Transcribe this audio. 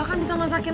arah t gue tau sih